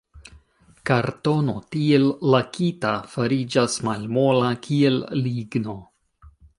Kartono, tiel lakita, fariĝas malmola, kiel ligno.